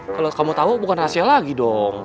kalo kamu tau bukan rahasia lagi dong